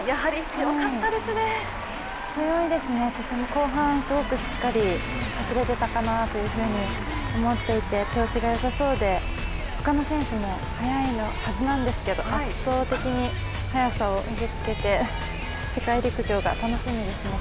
強いですね、とても後半しっかり走れていたかなと思っていて、調子がよさそうで他の選手も速いはずなんですけど圧倒的な速さを見せつけて世界陸上が楽しみですね。